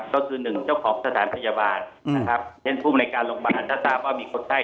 ก็คือ๑เจ้าของสถานพยาบาลเช่นภูมิรายการโรงพยาบาลถ้าตามว่ามีกฎไทย